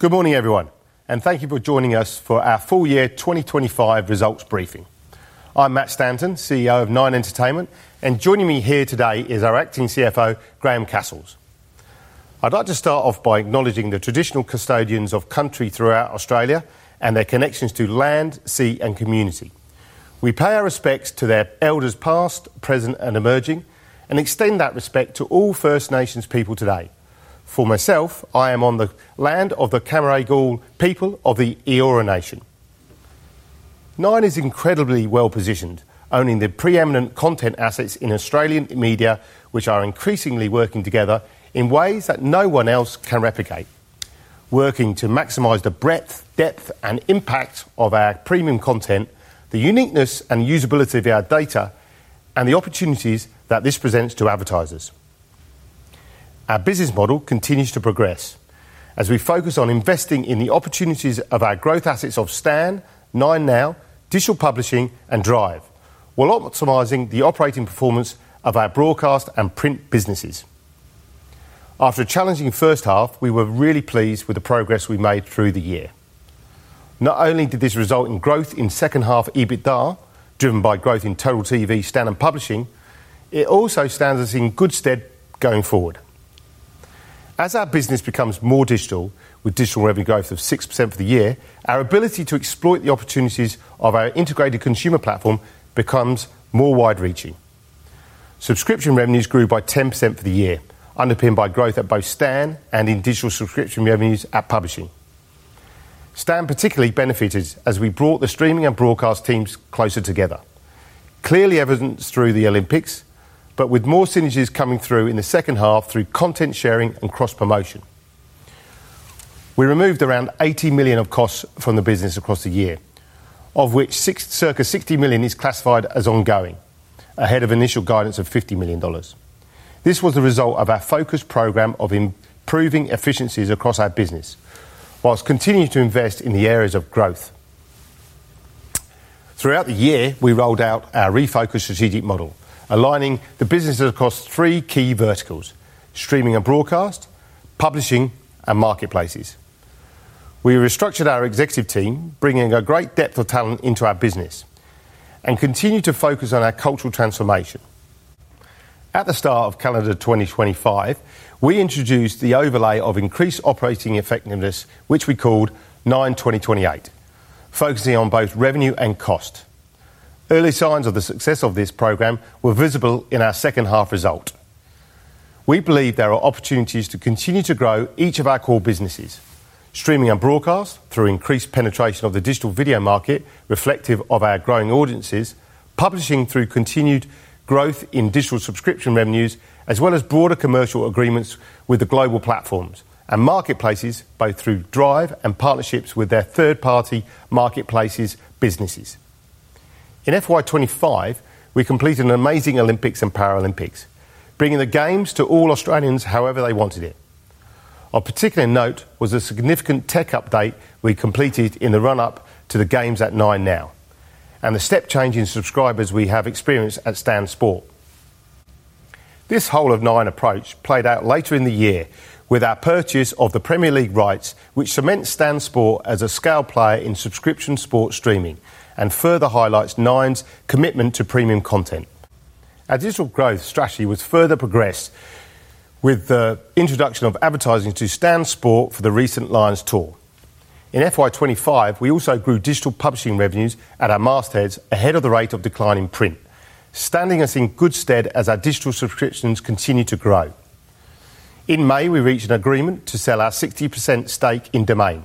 Good morning, everyone, and thank you for joining us for our full-year 2025 results briefing. I'm Matt Stanton, CEO of Nine Entertainment and joining me here today is our Acting CFO, Graeme Cassells. I'd like to start off by acknowledging the traditional custodians of country throughout Australia and their connections to land, sea, and community. We pay our respects to their elders past, present, and emerging, and extend that respect to all First Nations people today. For myself, I am on the land of the Cammeraigal people of the Eora Nation. Nine is incredibly well positioned, owning the preeminent content assets in Australian media, which are increasingly working together in ways that no one else can replicate. Working to maximize the breadth, depth, and impact of our premium content, the uniqueness and usability of our data, and the opportunities that this presents to advertisers. Our business model continues to progress as we focus on investing in the opportunities of our growth assets of Stan, NineNow, Digital Publishing, and Drive, while optimizing the operating performance of our broadcast and print businesses. After a challenging first-half, we were really pleased with the progress we made through the year. Not only did this result in growth in second half EBITDA driven by growth in Total TV, Stan, and publishing, it also stands us in good stead going forward. As our business becomes more digital, with digital revenue growth of 6% for the year, our ability to exploit the opportunities of our integrated consumer platform becomes more wide-reaching. Subscription revenues grew by 10% for the year, underpinned by growth at both Stan and in digital subscription revenues at publishing. Stan particularly benefited as we brought the streaming and broadcast teams closer together, clearly evidenced through the Olympics, but with more synergies coming through in the second half through content sharing and cross-promotion. We removed around $80 million of costs from the business across the year, of which circa $60 million is classified as ongoing, ahead of initial guidance of $50 million. This was the result of our focused program of improving efficiencies across our business, whilst continuing to invest in the areas of growth. Throughout the year, we rolled out our refocused strategic model, aligning the business across three key verticals: streaming and broadcast, publishing, and marketplaces. We restructured our executive team, bringing a great depth of talent into our business, and continued to focus on our cultural transformation. At the start of calendar 2025, we introduced the overlay of increased operating effectiveness, which we called Nine2028, focusing on both revenue and cost. Early signs of the success of this program were visible in our second half result. We believe there are opportunities to continue to grow each of our core businesses: streaming and broadcast through increased penetration of the digital video market, reflective of our growing audiences; publishing through continued growth in digital subscription revenues, as well as broader commercial agreements with the global platforms and marketplaces, both through Drive and partnerships with their third-party marketplaces businesses. In FY 2025, we completed an amazing Olympics and Paralympics, bringing the games to all Australians however they wanted it. Of particular note was the significant tech update we completed in the run-up to the games at NineNow and the step-changing subscribers we have experienced at Stan Sport. This whole-of-Nine approach played out later in the year with our purchase of the Premier League rights, which cements Stan Sport as a scaled player in subscription sports streaming and further highlights Nine's commitment to premium content. Our digital growth strategy was further progressed with the introduction of advertising to Stan Sport for the recent Lions Tour. In FY 2025, we also grew digital publishing revenues at our mastheads, ahead of the rate of decline in print, standing us in good stead as our digital subscriptions continue to grow. In May, we reached an agreement to sell our 60% stake in Domain,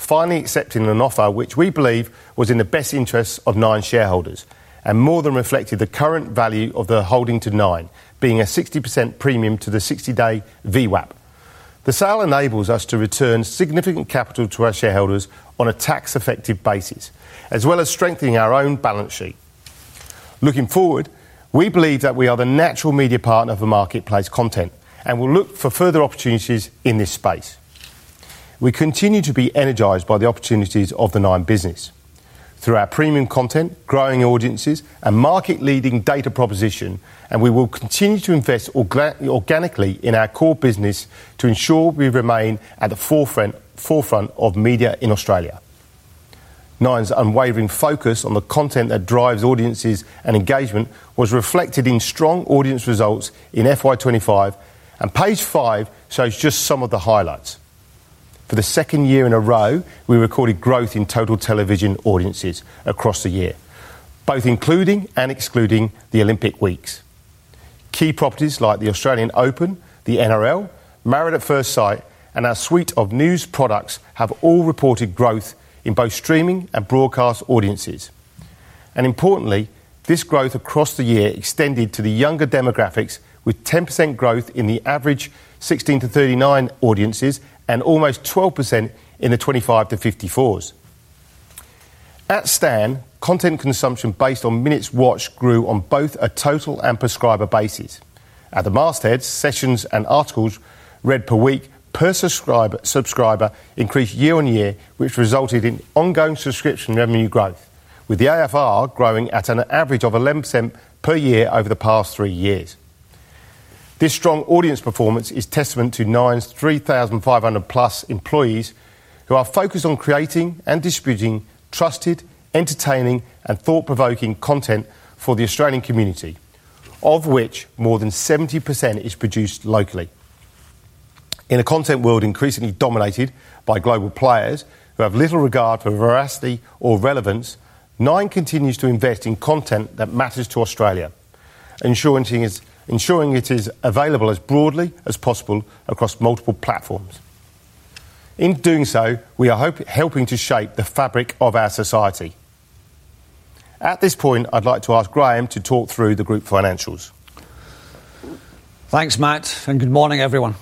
finally accepting an offer which we believe was in the best interests of Nine shareholders and more than reflected the current value of the holding to Nine, being a 60% premium to the 60-day VWAP. The sale enables us to return significant capital to our shareholders on a tax-effective basis, as well as strengthening our own balance sheet. Looking forward, we believe that we are the natural media partner for marketplace content and will look for further opportunities in this space. We continue to be energized by the opportunities of the Nine business. Through our premium content, growing audiences, and market-leading data proposition, we will continue to invest organically in our core business to ensure we remain at the forefront of media in Australia. Nine's unwavering focus on the content that drives audiences and engagement was reflected in strong audience results in FY 2025, and page five shows just some of the highlights. For the second year in a row, we recorded growth in total television audiences across the year, both including and excluding the Olympic weeks. Key properties like the Australian Open, the NRL, Married at First Sight, and our suite of news products have all reported growth in both streaming and broadcast audiences. Importantly, this growth across the year extended to the younger demographics, with 10% growth in the average 16-39 audiences and almost 12% in the 25-54s. At Stan, content consumption based on minutes watched grew on both a total and prescriber basis. At the mastheads, sessions and articles read per week per subscriber increased year-on-year, which resulted in ongoing subscription revenue growth, with the AFR growing at an average of 11% per year over the past three years. This strong audience performance is testament to Nine's 3,500+ employees who are focused on creating and distributing trusted, entertaining, and thought-provoking content for the Australian community, of which more than 70% is produced locally. In a content world increasingly dominated by global players who have little regard for veracity or relevance, Nine continues to invest in content that matters to Australia, ensuring it is available as broadly as possible across multiple platforms. In doing so, we are helping to shape the fabric of our society. At this point, I'd like to ask Graeme to talk through the group financials. Thanks, Matt, and good morning, everyone.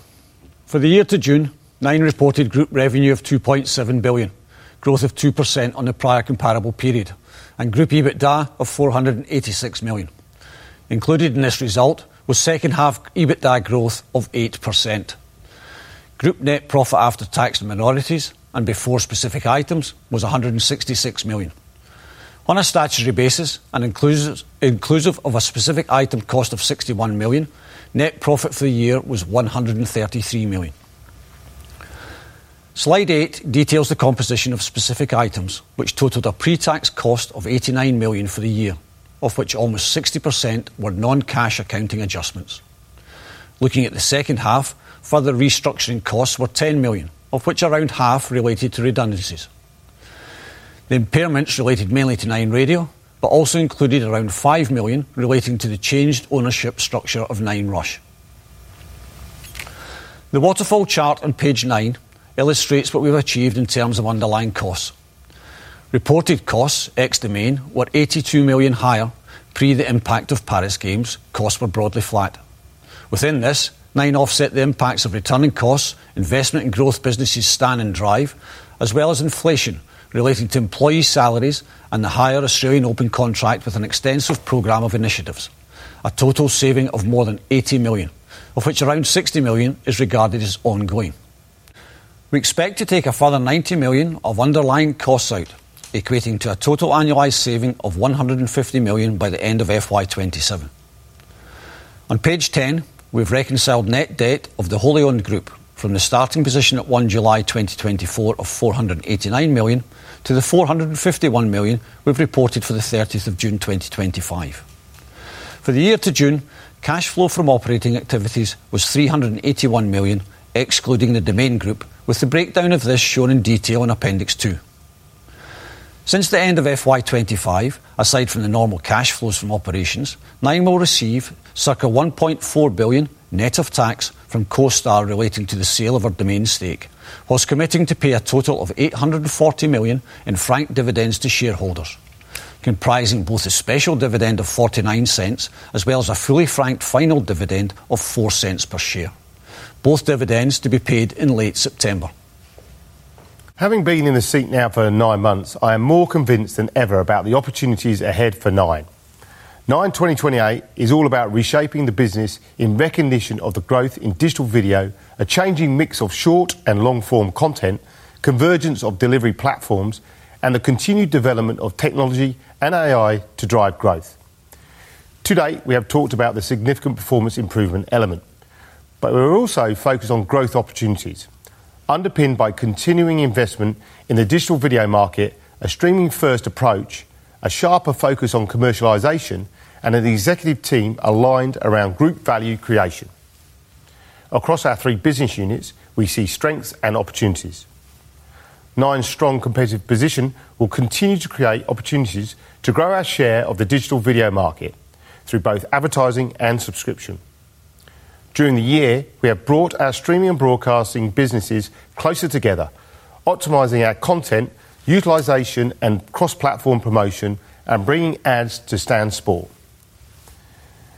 For the year to June, Nine reported group revenue of $2.7 billion, growth of 2% on the prior comparable period, and group EBITDA of $486 million. Included in this result was second half EBITDA growth of 8%. Group net profit after tax and minorities and before specific items was $166 million. On a statutory basis and inclusive of a specific item cost of $61 million, net profit for the year was $133 million. Slide 8 details the composition of specific items, which totaled a pre-tax cost of $89 million for the year, of which almost 60% were non-cash accounting adjustments. Looking at the second half, further restructuring costs were $10 million, of which around half related to redundancies. The impairments related mainly to Nine Radio, but also included around $5 million relating to the changed ownership structure of Nine Rush. The waterfall chart on page 9 illustrates what we've achieved in terms of underlying costs. Reported costs ex-Domain were $82 million higher pre the impact of Paris Games, costs were broadly flat. Within this, Nine offset the impacts of returning costs, investment in growth businesses Stan and Drive, as well as inflation relating to employee salaries and the higher Australian Open contract with an extensive program of initiatives, a total saving of more than $80 million, of which around $60 million is regarded as ongoing. We expect to take a further $90 million of underlying costs out, equating to a total annualized saving of $150 million by the end of FY 2027. On page 10, we've reconciled net debt of the wholly owned group from the starting position at July 1, 2024 of $489 million to the $451 million we've reported for June 2025. For the year to June, cash flow from operating activities was $381 million, excluding the Domain group, with the breakdown of this shown in detail in Appendix 2. Since the end of FY 2025, aside from the normal cash flows from operations, Nine will receive circa $1.4 billion net of tax from CoStar relating to the sale of our Domain stake, whilst committing to pay a total of $840 million in franked dividends to shareholders, comprising both a special dividend of $0.49 as well as a fully franked final dividend of $0.04 per share, both dividends to be paid in late September. Having been in the seat now for nine months, I am more convinced than ever about the opportunities ahead for Nine. Nine2028 is all about reshaping the business in recognition of the growth in digital video, a changing mix of short and long-form content, convergence of delivery platforms, and the continued development of technology and AI to drive growth. Today, we have talked about the significant performance improvement element, but we're also focused on growth opportunities underpinned by continuing investment in the digital video market, a streaming-first approach, a sharper focus on commercialization, and an executive team aligned around group value creation. Across our three business units, we see strengths and opportunities. Nine's strong competitive position will continue to create opportunities to grow our share of the digital video market through both advertising and subscription. During the year, we have brought our streaming and broadcasting businesses closer together, optimizing our content, utilization, and cross-platform promotion, and bringing ads to Stan Sport.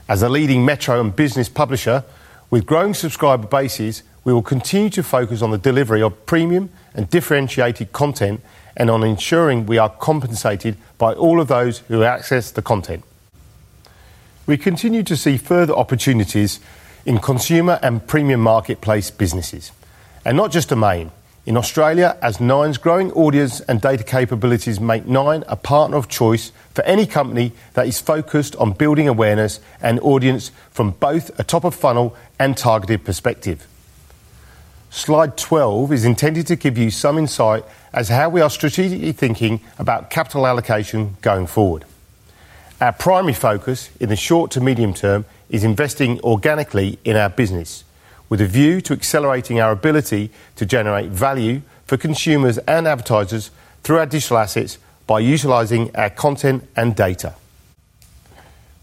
As the leading metro and business publisher with growing subscriber bases, we will continue to focus on the delivery of premium and differentiated content and on ensuring we are compensated by all of those who access the content. We continue to see further opportunities in consumer and premium marketplace businesses, and not just Domain. In Australia, as Nine's growing audience and data capabilities make Nine a partner of choice for any company that is focused on building awareness and audience from both a top-of-funnel and targeted perspective. Slide 12 is intended to give you some insight as to how we are strategically thinking about capital allocation going forward. Our primary focus in the short to medium term is investing organically in our business, with a view to accelerating our ability to generate value for consumers and advertisers through our digital assets by utilizing our content and data.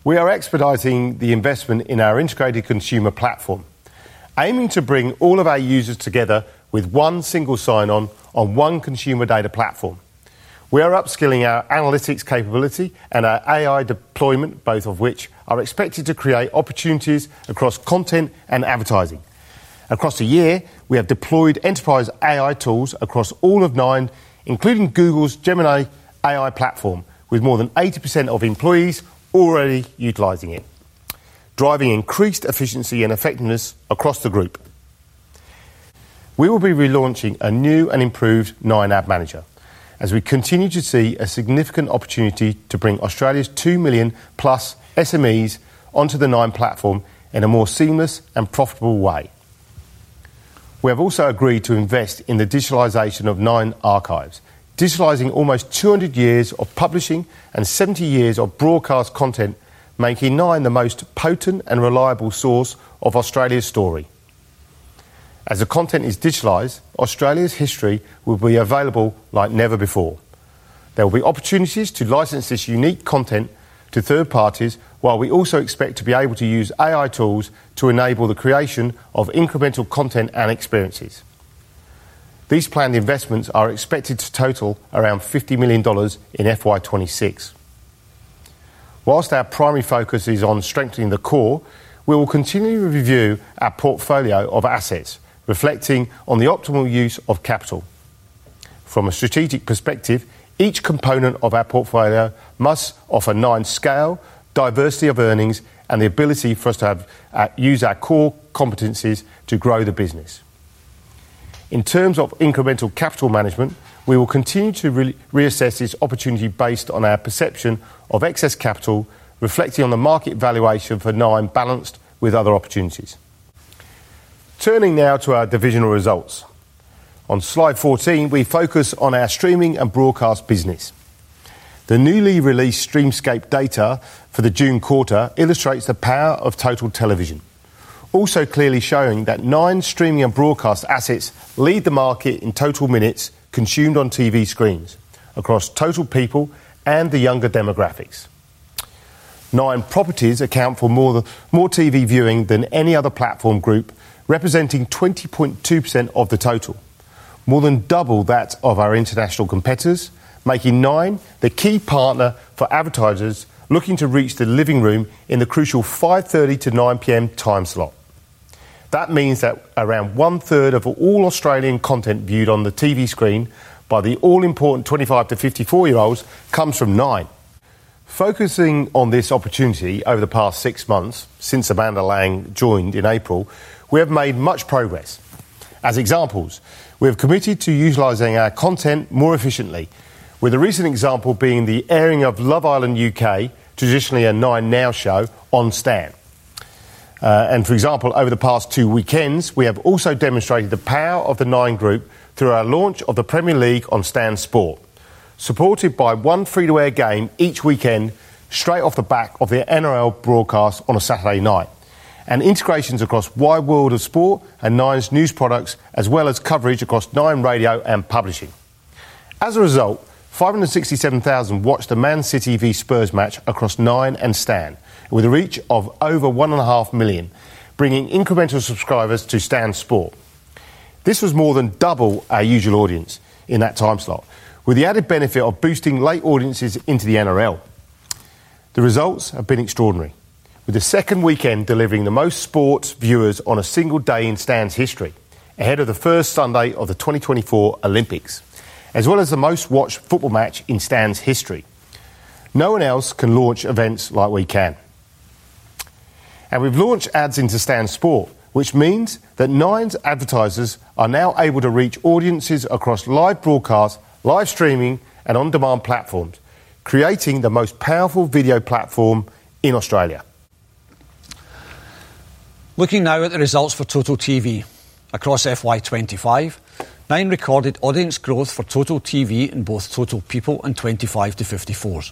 We are expediting the investment in our integrated consumer platform, aiming to bring all of our users together with one single sign-on on one consumer data platform. We are upskilling our analytics capability and our AI deployment, both of which are expected to create opportunities across content and advertising. Across the year, we have deployed enterprise AI tools across all of Nine, including Google's Gemini AI platform, with more than 80% of employees already utilizing it, driving increased efficiency and effectiveness across the group. We will be relaunching a new and improved Nine App Manager, as we continue to see a significant opportunity to bring Australia's 2 million+ SMEs onto the Nine platform in a more seamless and profitable way. We have also agreed to invest in the digitalization of Nine Archives, digitalizing almost 200 years of publishing and 70 years of broadcast content, making Nine the most potent and reliable source of Australia's story. As the content is digitalized, Australia's history will be available like never before. There will be opportunities to license this unique content to third-parties, while we also expect to be able to use AI tools to enable the creation of incremental content and experiences. These planned investments are expected to total around $50 million in FY 2026. Whilst our primary focus is on strengthening the core, we will continue to review our portfolio of assets, reflecting on the optimal use of capital. From a strategic perspective, each component of our portfolio must offer Nine's scale, diversity of earnings, and the ability for us to use our core competencies to grow the business. In terms of incremental capital management, we will continue to reassess this opportunity based on our perception of excess capital, reflecting on the market valuation for Nine balanced with other opportunities. Turning now to our divisional results. On Slide 14, we focus on our streaming and broadcast business. The newly released Streamscape data for the June quarter illustrates the power of total television, also clearly showing that Nine's streaming and broadcast assets lead the market in total minutes consumed on TV screens across total people and the younger demographics. Nine properties account for more TV viewing than any other platform group, representing 20.2% of the total, more than double that of our international competitors, making Nine the key partner for advertisers looking to reach the living room in the crucial 5:30 A.M. to 9:00 P.M. time slot. That means that around 1/3 of all Australian content viewed on the TV screen by the all-important 25-54-year-olds comes from Nine. Focusing on this opportunity over the past six months, since Amanda Lang joined in April, we have made much progress. As examples, we have committed to utilizing our content more efficiently, with a recent example being the airing of Love Island U.K., traditionally a NineNow show, on Stan. For example, over the past two weekends, we have also demonstrated the power of the Nine Group through our launch of the Premier League on Stan Sport, supported by one free-to-air game each weekend straight off the back of the NRL broadcast on a Saturday night, and integrations across the Wide World of Sport and Nine's news products, as well as coverage across Nine Radio and publishing. As a result, 567,000 watched a Man City v Spurs match across Nine and Stan, with a reach of over 1.5 million, bringing incremental subscribers to Stan Sport. This was more than double our usual audience in that time slot, with the added benefit of boosting late audiences into the NRL. The results have been extraordinary, with the second weekend delivering the most sports viewers on a single day in Stan's history, ahead of the first Sunday of the 2024 Olympics, as well as the most watched football match in Stan's history. No one else can launch events like we can. We've launched ads into Stan Sport, which means that Nine's advertisers are now able to reach audiences across live broadcasts, live streaming, and on-demand platforms, creating the most powerful video platform in Australia. Looking now at the results for Total TV. Across FY 2025, Nine recorded audience growth for Total TV in both total people and 25-54s.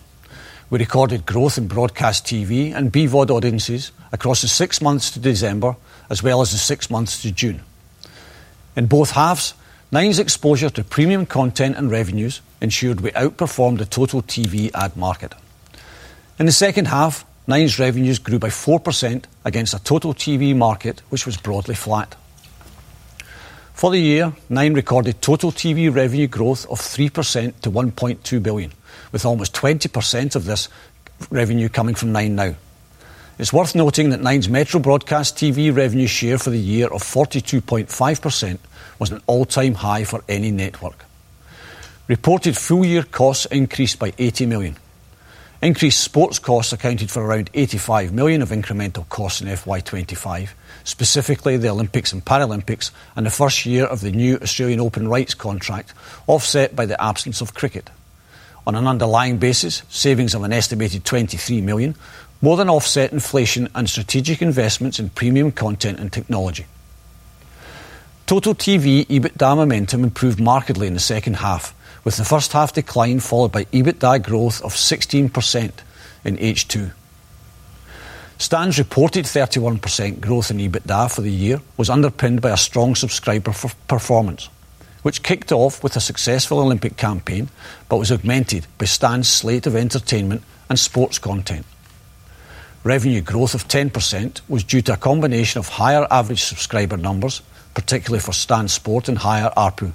We recorded growth in broadcast TV and BVOD audiences across the six months to December, as well as the six months to June. In both halves, Nine's exposure to premium content and revenues ensured we outperformed the Total TV ad market. In the second half, Nine's revenues grew by 4% against the Total TV market, which was broadly flat. For the year, Nine recorded Total TV revenue growth of 3% to $1.2 billion, with almost 20% of this revenue coming from NineNow. It's worth noting that Nine's Metro Broadcast TV revenue share for the year of 42.5% was an all-time high for any network. Reported full-year costs increased by $80 million. Increased sports costs accounted for around $85 million of incremental costs in FY 2025, specifically the Olympics and Paralympics, and the first year of the new Australian Open Rights contract, offset by the absence of cricket. On an underlying basis, savings of an estimated $23 million more than offset inflation and strategic investments in premium content and technology. Total TV EBITDA momentum improved markedly in the second half, with the first-half declined followed by EBITDA growth of 16% in H2. Stan's reported 31% growth in EBITDA for the year was underpinned by a strong subscriber performance, which kicked off with a successful Olympic campaign but was augmented by Stan's slate of entertainment and sports content. Revenue growth of 10% was due to a combination of higher average subscriber numbers, particularly for Stan Sport and higher ARPU.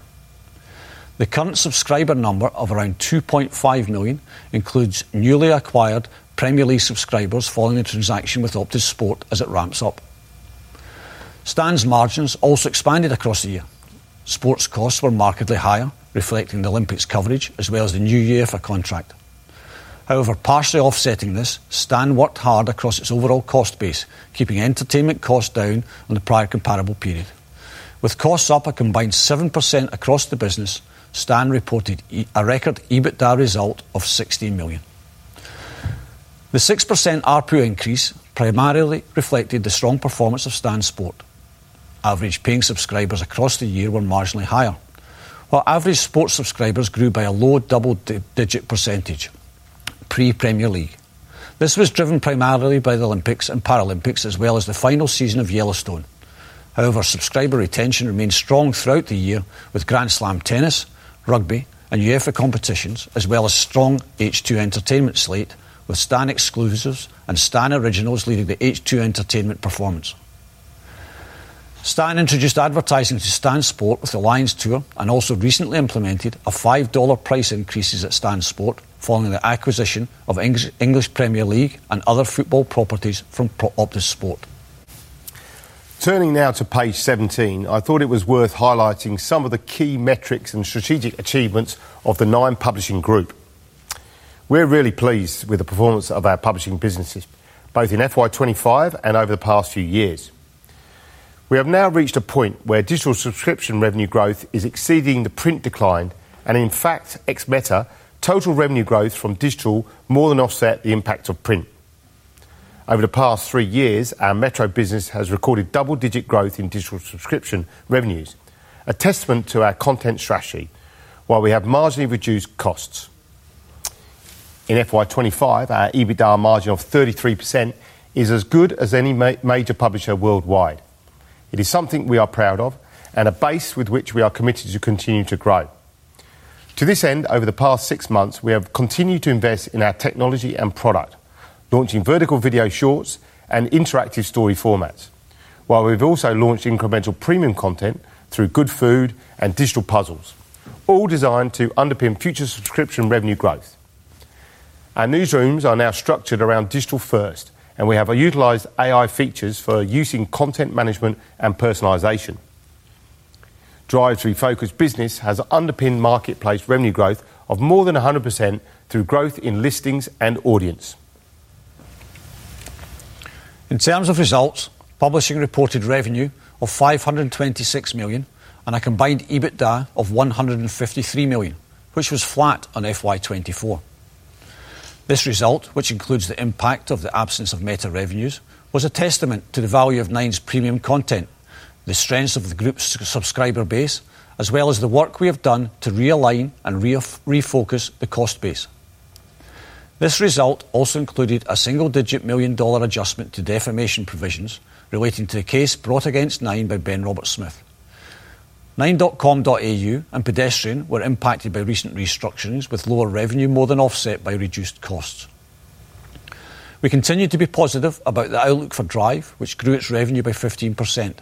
The current subscriber number of around 2.5 million includes newly acquired Premier League subscribers following a transaction with Optus Sport as it ramps up. Stan's margins also expanded across the year. Sports costs were markedly higher, reflecting the Olympics coverage as well as the new year for contract. However, partially offsetting this, Stan worked hard across its overall cost base, keeping entertainment costs down on the prior comparable period. With costs up a combined 7% across the business, Stan reported a record EBITDA result of $60 million. The 6% ARPU increase primarily reflected the strong performance of Stan Sport. Average paying subscribers across the year were marginally higher, while average sports subscribers grew by a low double-digit percentage pre-Premier League. This was driven primarily by the Olympics and Paralympics, as well as the final season of Yellowstone. However, subscriber retention remained strong throughout the year with Grand Slam tennis, rugby, and UEFA competitions, as well as a strong H2 entertainment slate with Stan Exclusives and Stan Originals leading the H2 entertainment performance. Stan introduced advertising to Stan Sport with the Lions Tour and also recently implemented a $5 price increase at Stan Sport following the acquisition of English Premier League and other football properties from Optus Sport. Turning now to page 17, I thought it was worth highlighting some of the key metrics and strategic achievements of the Nine publishing group. We're really pleased with the performance of our publishing businesses, both in FY 2025 and over the past few years. We have now reached a point where digital subscription revenue growth is exceeding the print decline, and in fact, ex-Meta, total revenue growth from digital more than offset the impact of print. Over the past three years, our Metro business has recorded double-digit growth in digital subscription revenues, a testament to our content strategy, while we have marginally reduced costs. In FY 2025, our EBITDA margin of 33% is as good as any major publisher worldwide. It is something we are proud of and a base with which we are committed to continuing to grow. To this end, over the past six months, we have continued to invest in our technology and product, launching vertical video shorts and interactive story formats, while we've also launched incremental premium content through Good Food and Digital Puzzles, all designed to underpin future subscription revenue growth. Our newsrooms are now structured around digital first, and we have utilized AI features for using content management and personalization. Drive's refocused business has underpinned marketplace revenue growth of more than 100% through growth in listings and audience. In terms of results, publishing reported revenue of $526 million and a combined EBITDA of $153 million, which was flat on FY 2024. This result, which includes the impact of the absence of Meta revenues, was a testament to the value of Nine's premium content, the strength of the group's subscriber base, as well as the work we have done to realign and refocus the cost base. This result also included a single-digit million-dollar adjustment to defamation provisions relating to the case brought against Nine by Ben Roberts-Smith. Nine.com.au and Pedestrian were impacted by recent restructurings, with lower revenue more than offset by reduced costs. We continue to be positive about the outlook for Drive, which grew its revenue by 15%,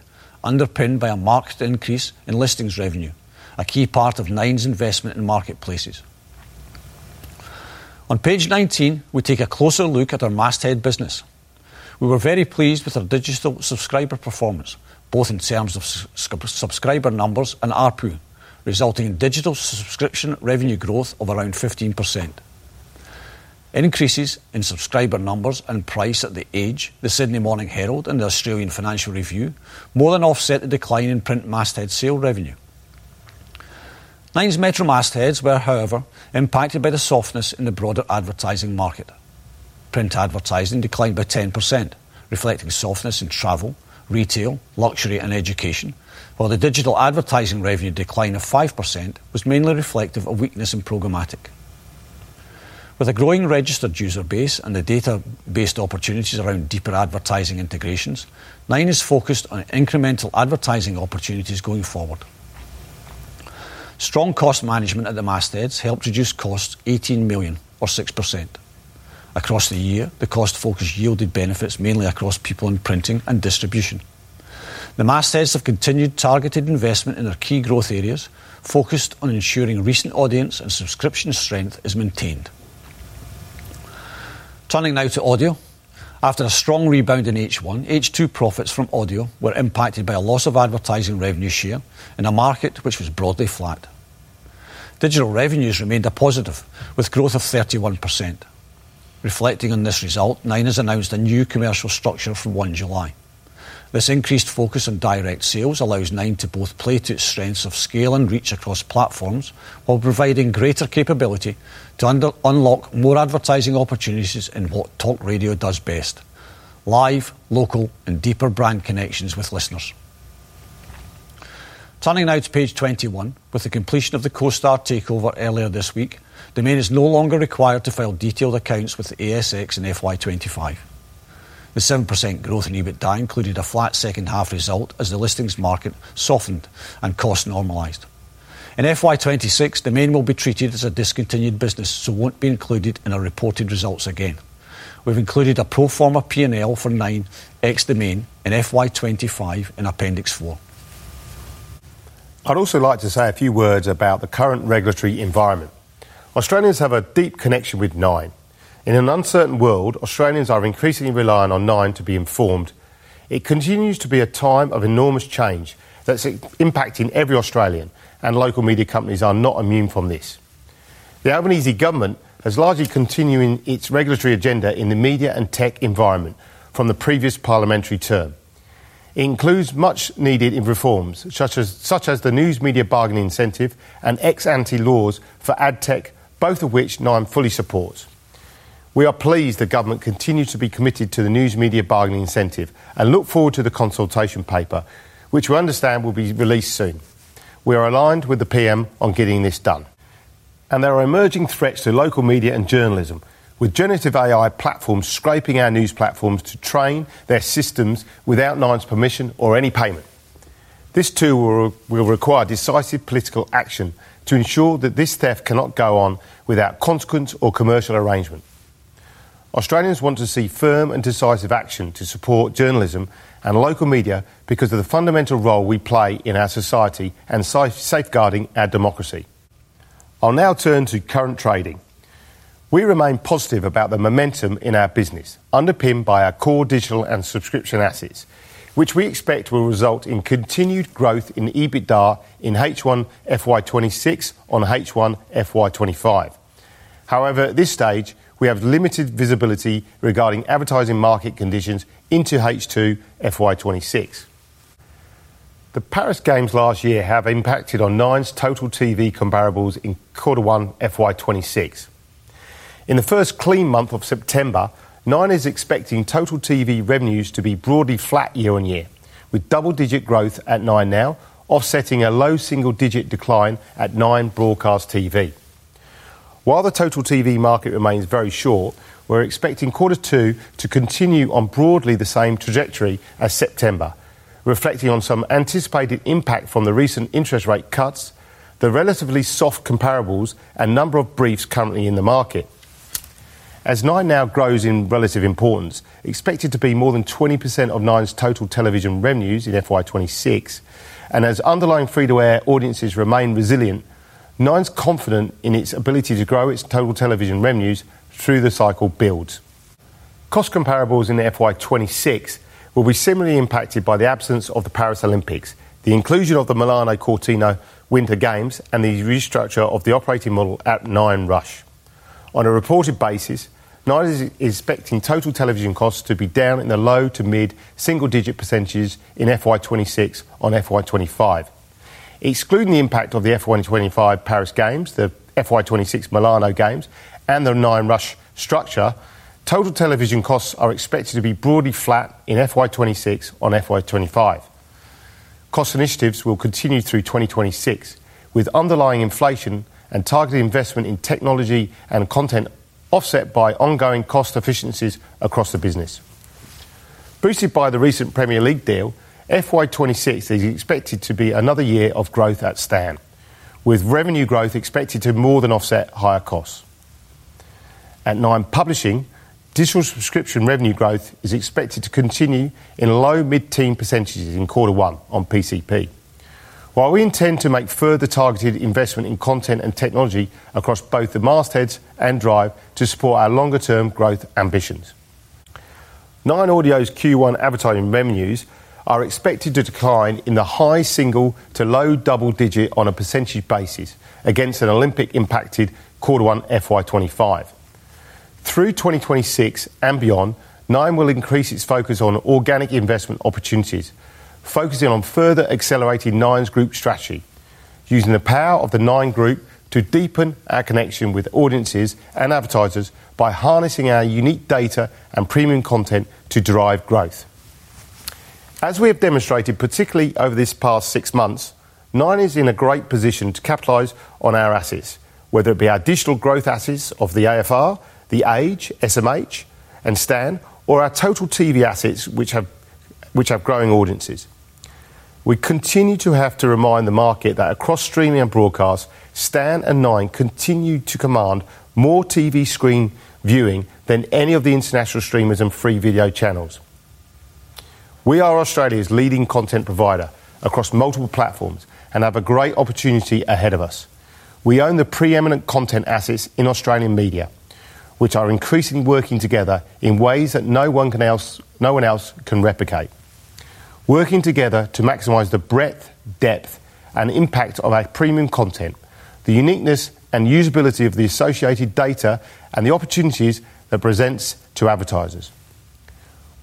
underpinned by a marked increase in listings revenue, a key part of Nine's investment in marketplaces. On page 19, we take a closer look at our masthead business. We were very pleased with our digital subscriber performance, both in terms of subscriber numbers and ARPU, resulting in digital subscription revenue growth of around 15%. Increases in subscriber numbers and price at The Age, The Sydney Morning Herald, and The Australian Financial Review more than offset the decline in print masthead sale revenue. Nine's Metro mastheads were, however, impacted by the softness in the broader advertising market. Print advertising declined by 10%, reflecting softness in travel, retail, luxury, and education, while the digital advertising revenue decline of 5% was mainly reflective of weakness in programmatic. With a growing registered user base and the database opportunities around deeper advertising integrations, Nine is focused on incremental advertising opportunities going forward. Strong cost management at the mastheads helped reduce costs $18 million, or 6%. Across the year, the cost focus yielded benefits mainly across people in printing and distribution. The mastheads have continued targeted investment in their key growth areas, focused on ensuring recent audience and subscription strength is maintained. Turning now to audio. After a strong rebound in H1, H2 profits from audio were impacted by a loss of advertising revenue share in a market which was broadly flat. Digital revenues remained a positive, with growth of 31%. Reflecting on this result, Nine has announced a new commercial structure for 1 July. This increased focus on direct sales allows Nine to both play to its strengths of scale and reach across platforms, while providing greater capability to unlock more advertising opportunities in what talk radio does best: live, local, and deeper brand connections with listeners. Turning now to page 21, with the completion of the CoStar takeover earlier this week, Domain is no longer required to file detailed accounts with ASX in FY 2025. The 7% growth in EBITDA included a flat second half result as the listings market softened and costs normalized. In FY 2026, Domain will be treated as a discontinued business, so it won't be included in our reported results again. We've included a pro forma P&L for Nine ex-Domain in FY 2025 in Appendix 4. I'd also like to say a few words about the current regulatory environment. Australians have a deep connection with Nine. In an uncertain world, Australians are increasingly reliant on Nine to be informed. It continues to be a time of enormous change that's impacting every Australian, and local media companies are not immune from this. The Albanese government has largely continued its regulatory agenda in the media and tech environment from the previous parliamentary term. It includes much needed reforms, such as the news media bargaining incentive and ex-ante laws for ad tech, both of which Nine fully supports. We are pleased the government continues to be committed to the news media bargaining incentive and look forward to the consultation paper, which we understand will be released soon. We are aligned with the PM on getting this done. There are emerging threats to local media and journalism, with generative AI platforms scraping our news platforms to train their systems without Nine's permission or any payment. This too will require decisive political action to ensure that this theft cannot go on without consequence or commercial arrangement. Australians want to see firm and decisive action to support journalism and local media because of the fundamental role we play in our society and safeguarding our democracy. I'll now turn to current trading. We remain positive about the momentum in our business, underpinned by our core digital and subscription assets, which we expect will result in continued growth in EBITDA in H1 FY 2026 on H1 FY 2025. However, at this stage, we have limited visibility regarding advertising market conditions into H2 FY 2026. The Paris Games last year have impacted on Nine's Total TV comparables in quarter one FY 2026. In the first clean month of September, Nine is expecting Total TV revenues to be broadly flat year-on-year, with double-digit growth at NineNow offsetting a low single-digit decline at Nine Broadcast TV. While the Total TV market remains very short, we're expecting quarter two to continue on broadly the same trajectory as September, reflecting on some anticipated impact from the recent interest rate cuts, the relatively soft comparables, and the number of briefs currently in the market. As NineNow grows in relative importance, expected to be more than 20% of Nine's total television revenues in FY 2026, and as underlying free-to-air audiences remain resilient, Nine's confident in its ability to grow its total television revenues through the cycle build. Cost comparables in FY 2026 will be similarly impacted by the absence of the Paris Olympics, the inclusion of the Milano Cortina Winter Games, and the restructure of the operating model at Nine Rush. On a reported basis, Nine is expecting total television costs to be down in the low to mid single-digit percentage in FY 2026 on FY 2025. Excluding the impact of the FY 2025 Paris Games, the FY 2026 Milano Games, and the Nine Rush structure, total television costs are expected to be broadly flat in FY 2026 on FY 2025. Cost initiatives will continue through 2026, with underlying inflation and targeted investment in technology and content offset by ongoing cost efficiencies across the business. Boosted by the recent Premier League deal, FY 2026 is expected to be another year of growth at Stan, with revenue growth expected to more than offset higher costs. At Nine Publishing, digital subscription revenue growth is expected to continue in low mid-teen percentage in quarter one on PCP, while we intend to make further targeted investment in content and technology across both the mastheads and Drive to support our longer-term growth ambitions. Nine Audio's Q1 advertising revenues are expected to decline in the high single to low double-digit on a percentage basis against an Olympic-impacted quarter one FY 2025. Through 2026 and beyond, Nine will increase its focus on organic investment opportunities, focusing on further accelerating Nine's group strategy, using the power of the Nine Group to deepen our connection with audiences and advertisers by harnessing our unique data and premium content to drive growth. As we have demonstrated, particularly over this past six months, Nine is in a great position to capitalize on our assets, whether it be our digital growth assets of The Australian Financial Review, The Age, SMH, and Stan, or our Total TV assets, which have growing audiences. We continue to have to remind the market that across streaming and broadcasts, Stan and Nine continue to command more TV screen viewing than any of the international streamers and free video channels. We are Australia's leading content provider across multiple platforms and have a great opportunity ahead of us. We own the preeminent content assets in Australian media, which are increasingly working together in ways that no one else can replicate. Working together to maximize the breadth, depth, and impact of our premium content, the uniqueness and usability of the associated data, and the opportunities that it presents to advertisers,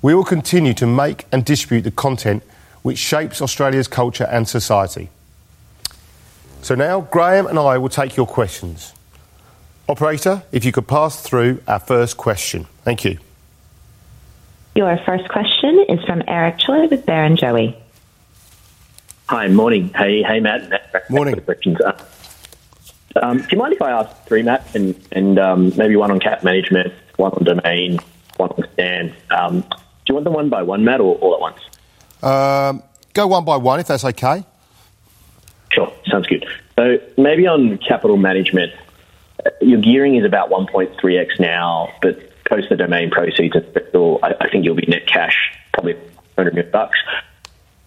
we will continue to make and distribute the content which shapes Australia's culture and society. Graeme and I will take your questions. Operator, if you could pass through our first question. Thank you. Your first question is from Eric Choi with Barrenjoey. Hi, morning. Hey, hey Matt. Morning. Do you mind if I ask three, Matt, and maybe one on Cap Management, one on Domain, one on Stan? Do you want them one by one, Matt, or all at once? Go one by one if that's okay. Sure, sounds good. Maybe on Capital Management, your gearing is about 1.3x now, but post the Domain proceeds and fiscal, I think you'll be net cash, probably $100 million.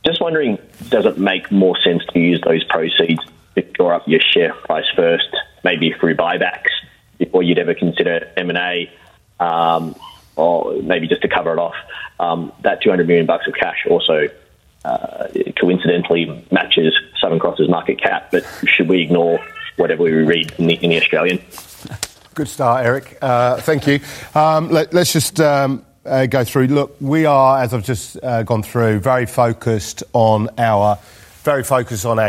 Just wondering, does it make more sense to use those proceeds to shore up your share price first, maybe through buybacks before you'd ever consider M&A, or maybe just to cover it off? That $200 million of cash also coincidentally matches Southern Cross's market cap, but should we ignore whatever we read in The Australian? Good start, Eric. Thank you. Let's just go through. We are, as I've just gone through, very focused on our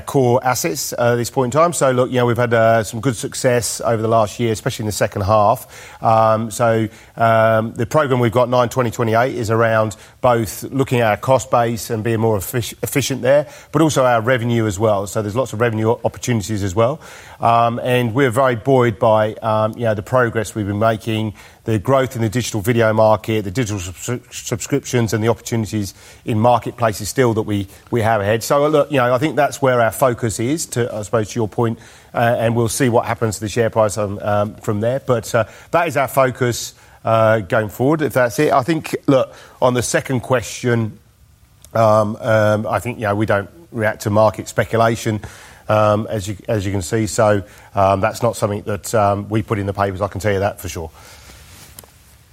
core assets at this point in time. We've had some good success over the last year, especially in the second half. The program we've got, Nine2028, is around both looking at our cost base and being more efficient there, but also our revenue as well. There are lots of revenue opportunities as well. We're very buoyed by the progress we've been making, the growth in the digital video market, the digital subscriptions, and the opportunities in marketplaces still that we have ahead. I think that's where our focus is, I suppose, to your point, and we'll see what happens to the share price from there. That is our focus going forward, if that's it. On the second question, we don't react to market speculation, as you can see. That's not something that we put in the papers, I can tell you that for sure.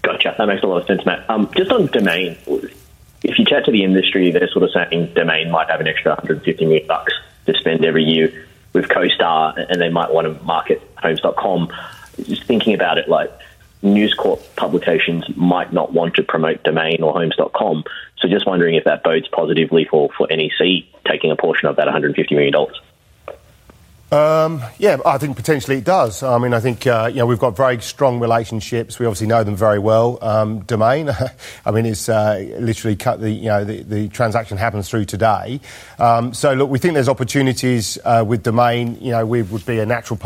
Gotcha. That makes a lot of sense, Matt. Just on Domain, if you check the industry, they're sort of saying Domain might have an extra up to $50 million to spend every year with CoStar, and they might want to market Homes.com. Just thinking about it, like News Corp publications might not want to promote Domain or Homes.com. Just wondering if that bodes positively for NEC taking a portion of that $150 million? Yeah, I think potentially it does. I mean, I think we've got very strong relationships. We obviously know them very well. Domain, I mean, is literally, the transaction happens through today. Look, we think there's opportunities with Domain. We would be a natural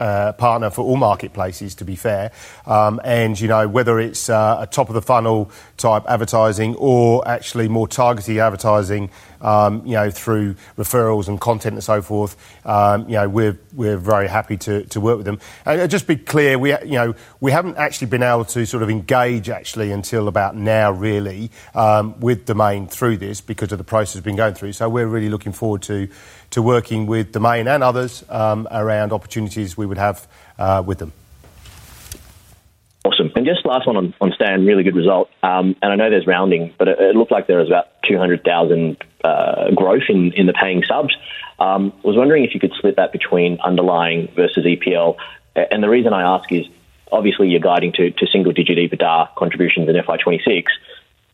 partner for all marketplaces, to be fair. Whether it's a top-of-the-funnel type advertising or actually more targeted advertising through referrals and content and so forth, we're very happy to work with them. Just to be clear, we haven't actually been able to sort of engage until about now, really, with Domain through this because of the process we've been going through. We're really looking forward to working with Domain and others around opportunities we would have with them. Awesome. Just last one on Stan, really good result. I know there's rounding, but it looked like there was about 200,000 growth in the paying subs. I was wondering if you could split that between underlying versus Premier League. The reason I ask is, obviously, you're guiding to single-digit EBITDA contributions in FY 2026.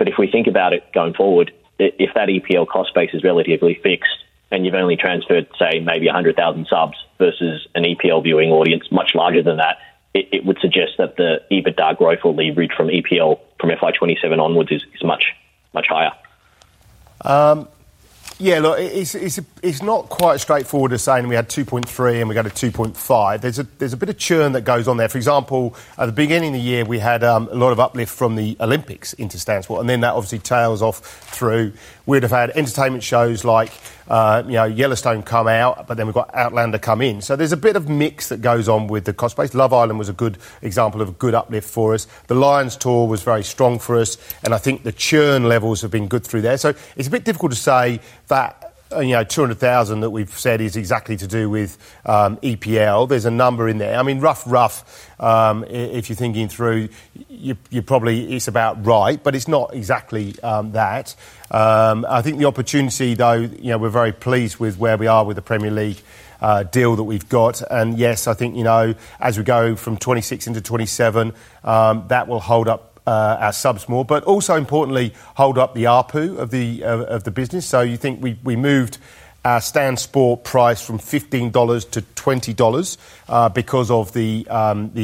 If we think about it going forward, if that EPL cost base is relatively fixed and you've only transferred, say, maybe 100,000 subs versus a EPL viewing audience much larger than that, it would suggest that the EBITDA growth or leverage from EPL from FY 2027 onwards is much, much higher. Yeah, look, it's not quite as straightforward as saying we had 2.3 and we got to 2.5. There's a bit of churn that goes on there. For example, at the beginning of the year, we had a lot of uplift from the Olympics into Stan Sport, and then that obviously tails off through. We'd have had entertainment shows like, you know, Yellowstone come out, but then we've got Outlander come in. There's a bit of mix that goes on with the cost base. Love Island was a good example of a good uplift for us. The Lions Tour was very strong for us, and I think the churn levels have been good through there. It's a bit difficult to say that, you know, 200,000 that we've said is exactly to do with EPL. There's a number in there. I mean, rough, rough, if you're thinking through, you're probably, it's about right, but it's not exactly that. I think the opportunity, though, you know, we're very pleased with where we are with the Premier League deal that we've got. Yes, I think, you know, as we go from 2026 into 2027, that will hold up our subs more, but also importantly, hold up the ARPU of the business. You think we moved our Stan Sport price from $15 to $20 because of the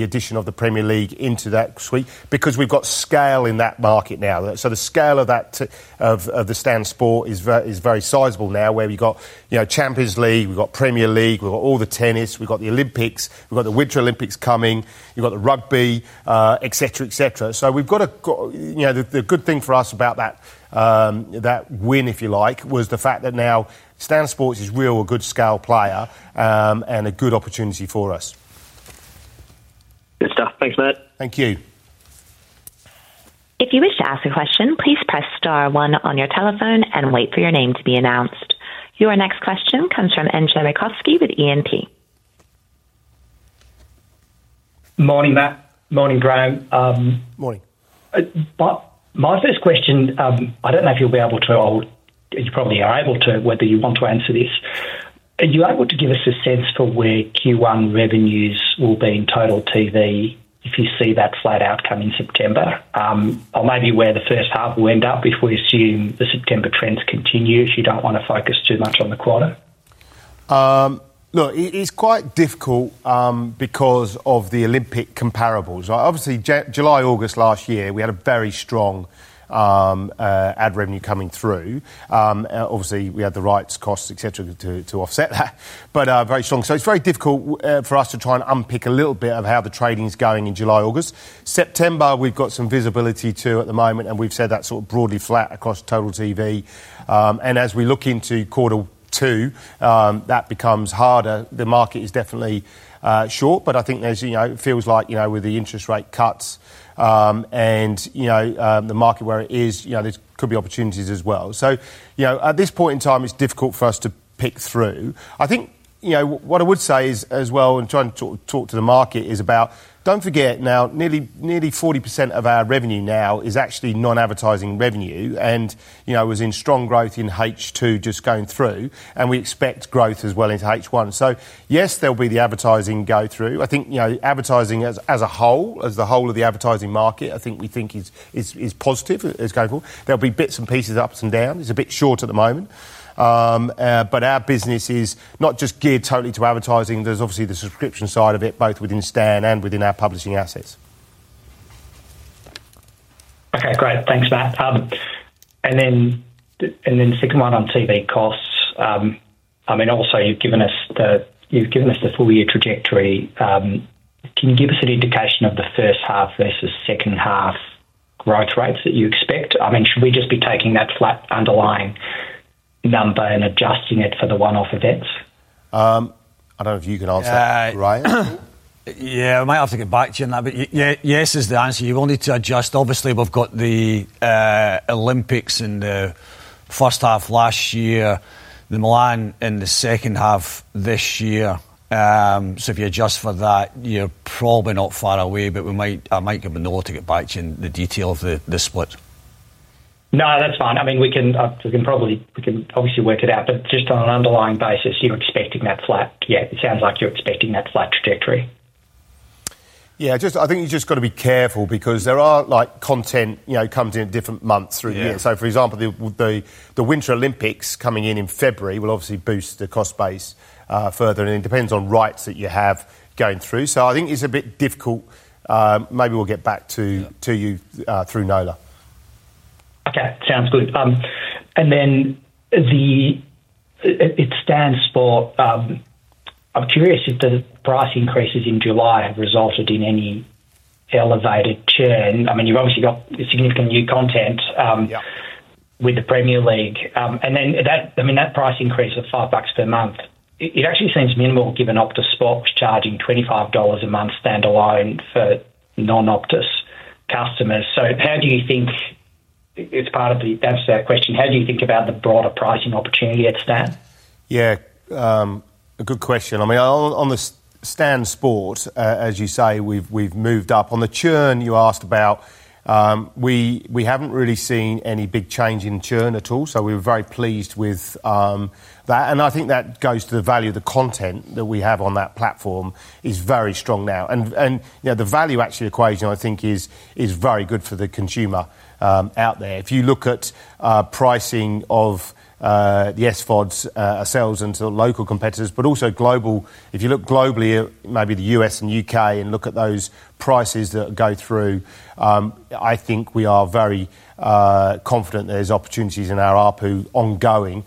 addition of the Premier League into that suite, because we've got scale in that market now. The scale of that, of the Stan Sport is very sizable now, where we've got, you know, Champions League, we've got Premier League, we've got all the tennis, we've got the Olympics, we've got the Winter Olympics coming, we've got the rugby, et cetera, et cetera. The good thing for us about that, that win, if you like, was the fact that now Stan Sport is really a good scale player and a good opportunity for us. Good stuff. Thanks, Matt. Thank you. If you wish to ask a question, please press star one on your telephone and wait for your name to be announced. Your next question comes from Entcho Raykovski with E&P. Morning, Matt. Morning, Graeme. Morning. My first question, I don't know if you'll be able to, or you probably are able to, whether you want to answer this. Are you able to give us a sense for where Q1 revenues will be in Total TV if you see that flat outcome in September? Or maybe where the first half will end up if we assume the September trends continue if you don't want to focus too much on the quarter? No, it's quite difficult because of the Olympic comparables. Obviously, July and August last year, we had very strong ad revenue coming through. Obviously, we had the rights costs, etc., to offset that, but very strong. It's very difficult for us to try and unpick a little bit of how the trading is going in July and August. September, we've got some visibility to at the moment, and we've said that sort of broadly flat across Total TV. As we look into quarter two, that becomes harder. The market is definitely short, but I think, as you know, it feels like, with the interest rate cuts and the market where it is, there could be opportunities as well. At this point in time, it's difficult for us to pick through. What I would say is as well, and trying to talk to the market, is about, don't forget now, nearly 40% of our revenue now is actually non-advertising revenue, and it was in strong growth in H2 just going through, and we expect growth as well into H1. Yes, there'll be the advertising go through. I think advertising as a whole, as the whole of the advertising market, I think we think is positive as going forward. There'll be bits and pieces, ups and downs. It's a bit short at the moment, but our business is not just geared totally to advertising. There's obviously the subscription side of it, both within Stan and within our publishing assets. Okay, great. Thanks, Matt. On TV costs, you've given us the full year trajectory. Can you give us an indication of the first-half versus second half growth rates that you expect? Should we just be taking that flat underlying number and adjusting it for the one-off events? I don't know if you can answer that, right? I might have to get back to you on that, but yes is the answer. You will need to adjust. Obviously, we've got the Olympics in the first-half last year, the Milan in the second half this year. If you adjust for that, you're probably not far away, but I might give a note to get back to you in the detail of the split. No, that's fine. I mean, we can probably, we can obviously work it out, but just on an underlying basis, you're expecting that flat. Yeah, it sounds like you're expecting that flat trajectory. I think you just got to be careful because content comes in at different months through the year. For example, the Winter Olympics coming in in February will obviously boost the cost base further, and it depends on rights that you have going through. I think it's a bit difficult. Maybe we'll get back to you through Nola. Okay, sounds good. The Stan Sport, I'm curious if the price increases in July have resulted in any elevated churn. You've obviously got significant new content with the Premier League. That price increase of $5 per month actually seems minimal given Optus Sport is charging $25 a month standalone for non-Optus customers. How do you think, to answer that question, how do you think about the broader pricing opportunity at Stan? Yeah, a good question. I mean, on the Stan Sport, as you say, we've moved up. On the churn you asked about, we haven't really seen any big change in churn at all. We were very pleased with that. I think that goes to the value of the content that we have on that platform, which is very strong now. The value equation, I think, is very good for the consumer out there. If you look at pricing of the SFODs ourselves and to local competitors, but also global, if you look globally, maybe the U.S. and U.K., and look at those prices that go through, I think we are very confident there's opportunities in our ARPU ongoing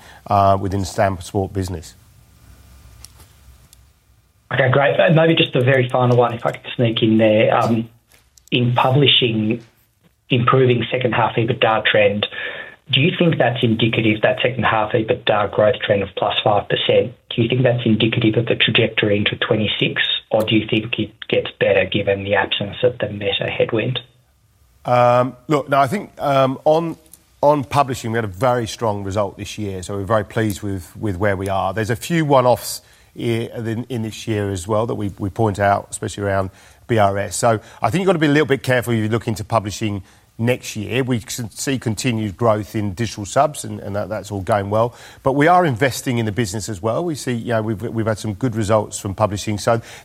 within the Stan Sport business. Okay, great. Maybe just a very final one, if I could sneak in there. In publishing, improving second half EBITDA trend, do you think that's indicative, that second half EBITDA growth trend of +5%? Do you think that's indicative of the trajectory into 2026, or do you think it gets better given the absence of the Meta headwind? Look, now I think on publishing, we had a very strong result this year. We're very pleased with where we are. There's a few one-offs here in this year as well that we point out, especially around BRS. I think you've got to be a little bit careful if you look into publishing next year. We should see continued growth in digital subs, and that's all going well. We are investing in the business as well. We see, you know, we've had some good results from publishing.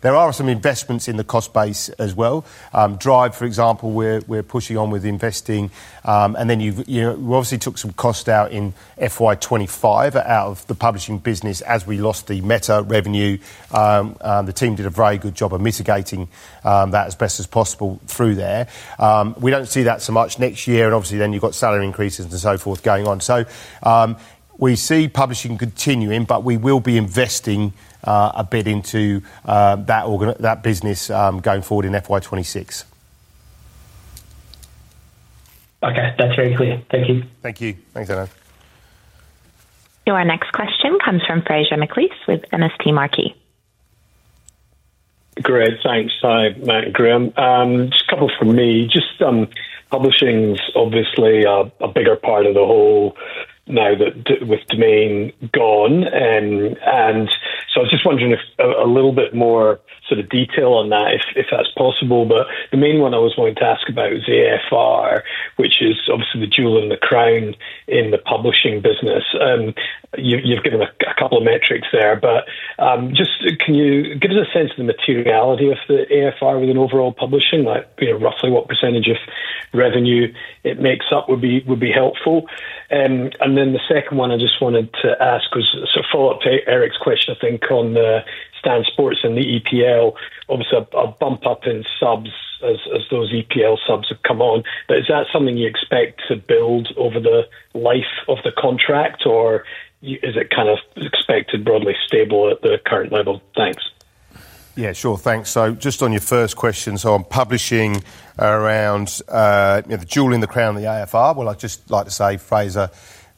There are some investments in the cost base as well. Drive, for example, we're pushing on with investing. You obviously took some cost out in FY 2025 out of the publishing business as we lost the Meta revenue. The team did a very good job of mitigating that as best as possible through there. We don't see that so much next year. Obviously, then you've got salary increases and so forth going on. We see publishing continuing, but we will be investing a bit into that business going forward in FY 2026. Okay, that's very clear. Thank you. Thank you. Thanks, Entcho. Your next question comes from Fraser Mcleish with MST Marquee. Great, thanks. Hi, Matt and Graeme. Just a couple from me. Publishing's obviously a bigger part of the whole now with Domain gone. I was just wondering if a little bit more sort of detail on that, if that's possible. The main one I was going to ask about is the AFR, which is obviously the jewel in the crown in the publishing business. You've given a couple of metrics there, but just can you give us a sense of the materiality of the AFR within overall publishing, like roughly what percent of revenue it makes up would be helpful? The second one I just wanted to ask was a sort of follow-up to Eric's question, I think, on the Stan Sport and the EPL. Obviously, a bump up in subs as those EPL subs have come on. Is that something you expect to build over the life of the contract, or is it kind of expected broadly stable at the current level? Thanks. Yeah, sure. Thanks. Just on your first question, on publishing around the jewel in the crown of The AFR, I'd just like to say, Fraser,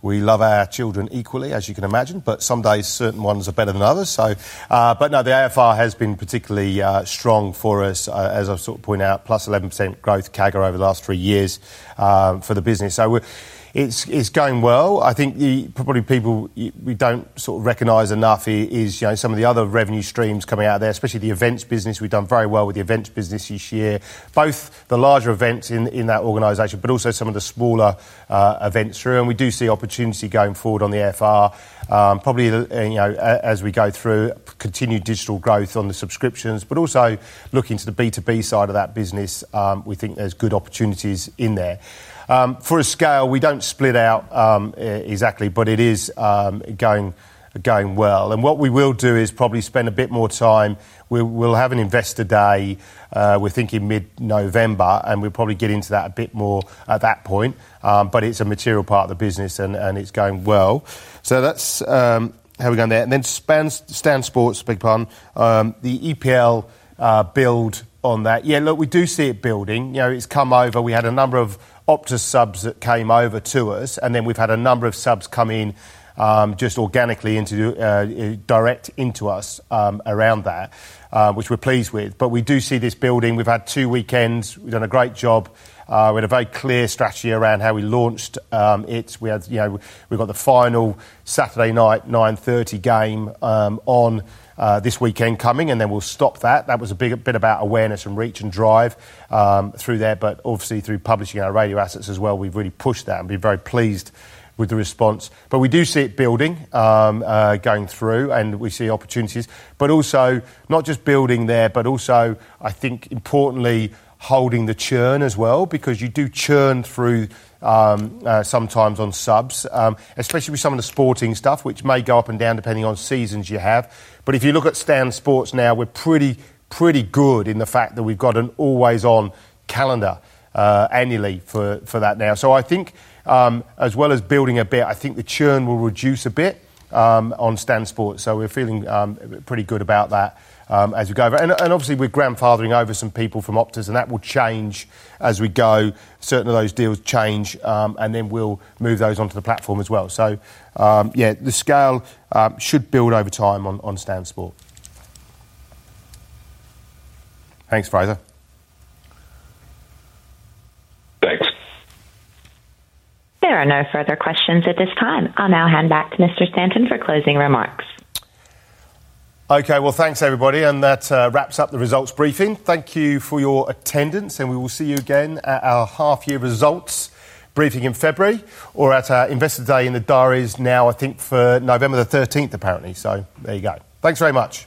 we love our children equally, as you can imagine, but some days certain ones are better than others. The AFR has been particularly strong for us, as I sort of point out, +11% growth CAGR over the last three years for the business. It's going well. I think probably people we don't sort of recognize enough is some of the other revenue streams coming out there, especially the events business. We've done very well with the events business this year, both the larger events in that organization, but also some of the smaller events through. We do see opportunity going forward on The AFR probably, you know, as we go through continued digital growth on the subscriptions, but also looking to the B2B side of that business. We think there's good opportunities in there. For a scale, we don't split out exactly, but it is going well. What we will do is probably spend a bit more time. We'll have an investor day. We're thinking mid-November, and we'll probably get into that a bit more at that point. It's a material part of the business, and it's going well. That's how we're going there. Then Stan Sport, big pun, the EPL build on that. Yeah, look, we do see it building. It's come over. We had a number of Optus Sport subs that came over to us, and then we've had a number of subs come in just organically direct into us around that, which we're pleased with. We do see this building. We've had two weekends. We've done a great job. We had a very clear strategy around how we launched it. We've got the final Saturday night, 9:30 P.M. game on this weekend coming, and then we'll stop that. That was a bit about awareness and reach and drive through there. Obviously, through publishing our radio assets as well, we've really pushed that and been very pleased with the response. We do see it building going through, and we see opportunities. Also not just building there, but also, I think, importantly, holding the churn as well, because you do churn through sometimes on subs, especially with some of the sporting stuff, which may go up and down depending on seasons you have. If you look at Stan Sport now, we're pretty, pretty good in the fact that we've got an always-on calendar annually for that now. I think, as well as building a bit, the churn will reduce a bit on Stan Sport. We're feeling pretty good about that as we go over. Obviously, we're grandfathering over some people from Optus, and that will change as we go. Certainly, those deals change, and we'll move those onto the platform as well. The scale should build over time on Stan Sport. Thanks, Fraser. Thanks. There are no further questions at this time. I'll now hand back to Mr. Stanton for closing remarks. Okay, thanks everybody, and that wraps up the results briefing. Thank you for your attendance, and we will see you again at our half-year results briefing in February or at our Investor Day in the diaries now, I think, for November 13, apparently. There you go. Thanks very much.